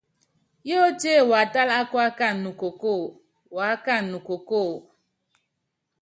Yótíe watála ákuákana nukokóo, uákana nukokóo.